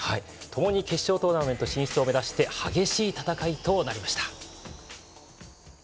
前に決勝トーナメントを目指して激しい戦いとなりました。